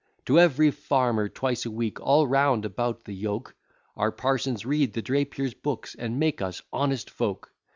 To every farmer twice a week all round about the Yoke, Our parsons read the Drapier's books, and make us honest folk.